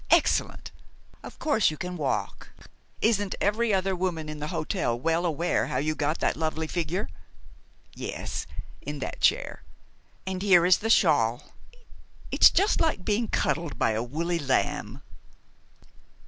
Excellent! Of course you can walk! Isn't every other woman in the hotel well aware how you got that lovely figure? Yes, in that chair. And here is the shawl. It's just like being cuddled by a woolly lamb."